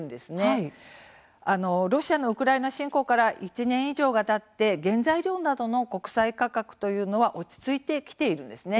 ロシアのウクライナ侵攻から１年以上がたって原材料などの国際価格というのは落ち着いてきているんです。